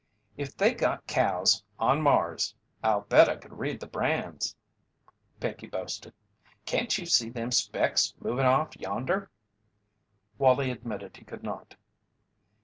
"If they got cows on Mars, I'll bet I could read the bran's," Pinkey boasted. "Can't you see them specks movin' off yonder?" Wallie admitted he could not.